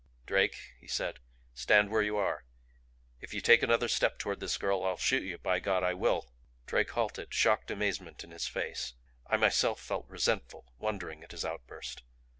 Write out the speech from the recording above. "Drake," he said, "stand where you are. If you take another step toward this girl I'll shoot you by God, I will!" Drake halted, shocked amazement in his face; I myself felt resentful, wondering at his outburst.